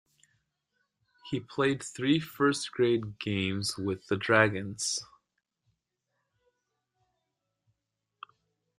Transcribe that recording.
He played three first grade games with the Dragons.